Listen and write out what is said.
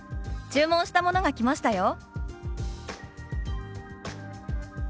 注文したものが来ましたよ」。